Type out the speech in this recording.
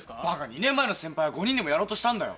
２年前の先輩は５人でもやろうとしたんだよ。